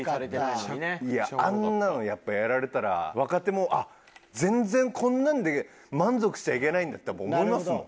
いやあんなのやっぱりやられたら若手も全然こんなんで満足しちゃいけないんだってやっぱ思いますもん。